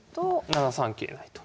７三桂成と。